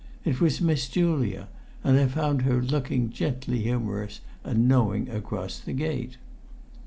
It was Miss Julia, and I found her looking gently humorous and knowing across the gate.